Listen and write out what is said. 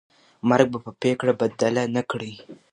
مرګ به پرېکړه بدله نه کړي.